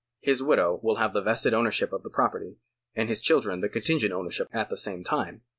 His widow will have the vested ownership of the property, and his children the contingent ownership at the same time.